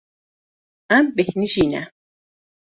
Em bêhnijî ne.